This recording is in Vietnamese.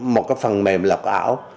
một cái phần mềm lọc ảo